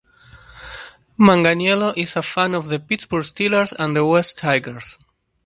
Manganiello is a fan of the Pittsburgh Steelers and the Wests Tigers.